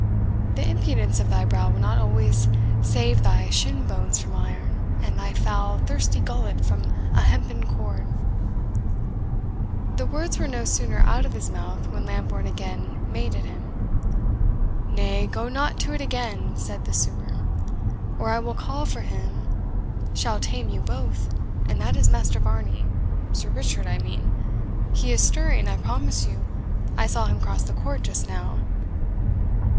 The impudence of thy brow will not always save thy shin bones from iron, and thy foul, thirsty gullet from a hempen cord." The words were no sooner out of his mouth, when Lambourne again made at him. "Nay, go not to it again," said the sewer, "or I will call for him shall tame you both, and that is Master Varney Sir Richard, I mean. He is stirring, I promise you; I saw him cross the court just now."